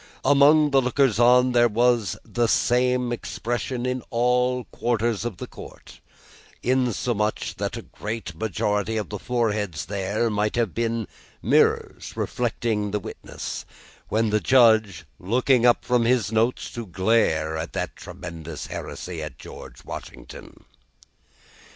Among the lookers on there was the same expression in all quarters of the court; insomuch, that a great majority of the foreheads there, might have been mirrors reflecting the witness, when the Judge looked up from his notes to glare at that tremendous heresy about George Washington.